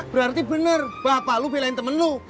berarti bener bapak lo belain temen lo